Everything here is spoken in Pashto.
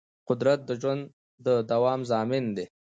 قدرت د ژوند د دوام ضامن دی.